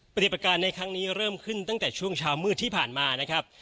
ปฏิบัติการในครั้งนี้เริ่มขึ้นตั้งแต่ช่วงเช้ามืดที่ผ่านมานะครับ